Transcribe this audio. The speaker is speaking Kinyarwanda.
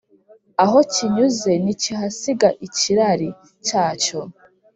aho kinyuze ntikihasiga ikirari cyacyo,